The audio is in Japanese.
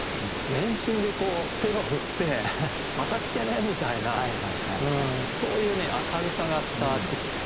全身で手を振って「また来てね！」みたいなそういう明るさが伝わってきて。